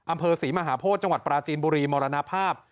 อำเภอศรีมหาโพธิจังหวัดปราจีนบุรีมรณภาพ